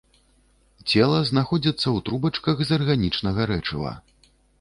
Цела знаходзіцца ў трубачках з арганічнага рэчыва.